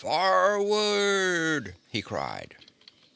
"Forward!" he cried.